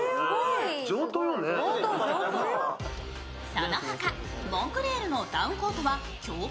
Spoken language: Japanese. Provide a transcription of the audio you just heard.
そのほかモンクレールのダウンジャケットは強化